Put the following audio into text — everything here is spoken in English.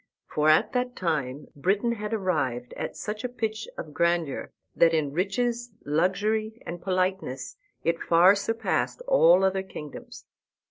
For at that time Britain had arrived at such a pitch of grandeur that in riches, luxury, and politeness it far surpassed all other kingdoms.